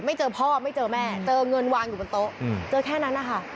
เจอพ่อไม่เจอแม่เจอเงินวางอยู่บนโต๊ะเจอแค่นั้นนะคะ